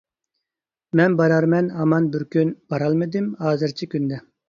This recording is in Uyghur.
مەن بارارمەن ھامانە بىر كۈن، بارالمىدىم ھازىرچە كۈندە.